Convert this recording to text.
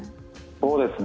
そうですね。